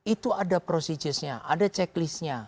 itu ada prosedurnya ada checklistnya